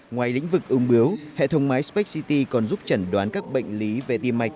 ngoài lĩnh vực ung bướu hệ thống máy spexity còn giúp chẩn đoán các bệnh lý về tiềm mạch